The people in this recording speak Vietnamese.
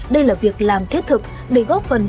đây là việc làm thiết thực để góp phần